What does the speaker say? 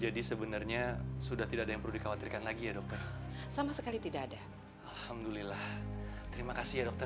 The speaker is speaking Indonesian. jadi sebenernya sudah tidak ada yang perlu dikhawatirkan lagi ya dokter sama sekali tidak ada alhamdulillah terimakasih ya dokter